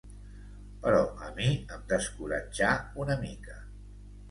Però a mi em descoratjà una mica